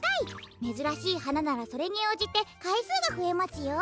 めずらしいはなならそれにおうじてかいすうがふえますよ。